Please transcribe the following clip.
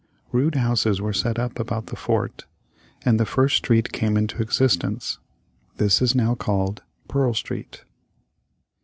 Rude houses were set up about the fort, and the first street came into existence. This is now called Pearl Street.